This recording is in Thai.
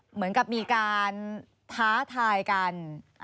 เหมือนกับมีการท้าทายกัน